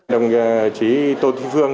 đồng chí tô thúy phương